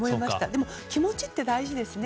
でも気持ちって大事ですね。